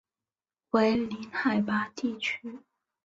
为零海拔地区。